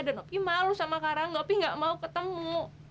dan opi malu sama karangga opi gak mau ketemu